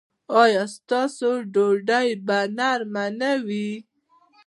ایا ستاسو ډوډۍ به نرمه نه وي؟